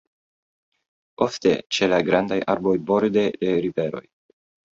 Ofte ĉe la grandaj arboj borde de riveroj.